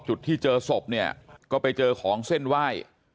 จุดที่เจอศพเนี่ยก็ไปเจอของเส้นไหว้